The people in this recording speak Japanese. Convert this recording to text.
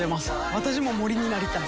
私も森になりたい。